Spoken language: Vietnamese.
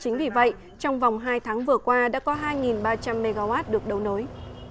chính vì vậy trong vòng hai tháng vừa qua đã có hai ba trăm linh mw được đấu nối